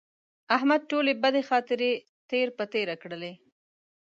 احمد ټولې بدې خاطرې تېر په تېره کړلې.